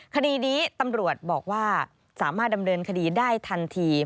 คดีนี้ตำรวจบอกว่าสามารถดำเนินคดีได้ทันที